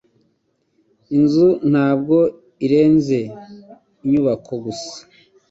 Inzu ntabwo irenze inyubako gusa.